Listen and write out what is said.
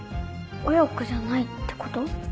親子じゃないってこと？